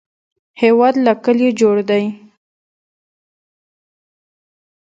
هېواد له کلیو جوړ دی